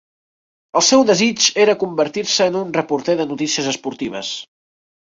El seu desig era convertir-se en un reporter de notícies esportives.